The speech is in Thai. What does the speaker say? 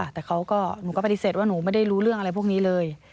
แต่หนูก็ปฏิเสธว่าหนูไม่ได้รู้เรื่องอะไรพวกนี้เลย